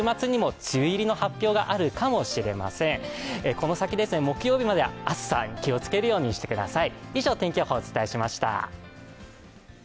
この先、木曜日まで暑さに気をつけるようにしてください。